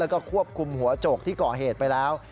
แล้วก็ควบคุมหัวโจกที่ก่อเหตุไปแล้ว